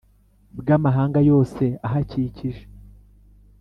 Bw Amahanga Yose Ahakikije